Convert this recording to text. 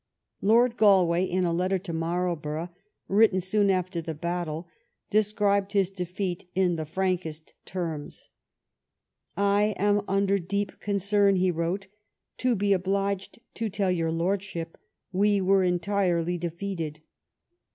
Lord Galway, in a letter to Marlborough, written soon after the battle, described his defeat in the frank est terms. " I am under deep concern," he wrote, " to be obliged to tell your lordship we were entirely defeated.